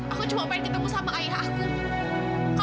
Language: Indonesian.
aku cuma pengen ketemu sama ayah aku